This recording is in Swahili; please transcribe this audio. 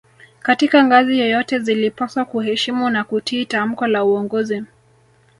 Katika ngazi yoyote zilipaswa kuheshimu na kutii tamko la uongozi